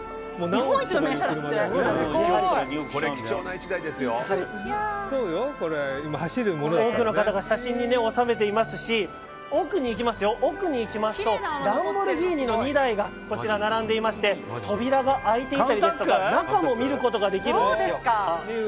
見ている方が写真に収めていますし奥に行きますとランボルギーニの２台がこちら、並んでいまして扉が開いていたりですとか中も見ることができるんですよ。